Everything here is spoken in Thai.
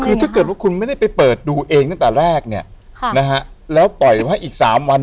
คือถ้าเกิดว่าคุณไม่ได้ไปเปิดดูเองตั้งแต่แรกเนี่ยนะฮะแล้วปล่อยไว้อีก๓วัน